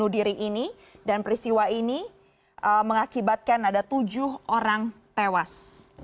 peristiwa ini mengakibatkan ada tujuh orang tewas